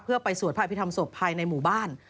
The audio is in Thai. เพื่อไปสวดพระอภิษฐรรศพภายในหมู่บ้าน